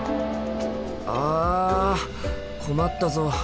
あ困ったぞ。